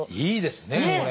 いいですねこれ。